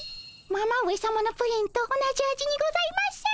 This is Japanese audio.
ママ上さまのプリンと同じ味にございます。